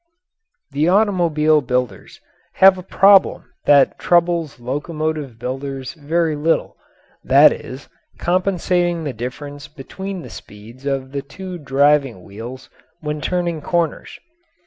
The automobile builders have a problem that troubles locomotive builders very little that is, compensating the difference between the speeds of the two driving wheels when turning corners.